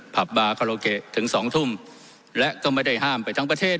ผับบาคาโลเกะถึงสองทุ่มและก็ไม่ได้ห้ามไปทั้งประเทศ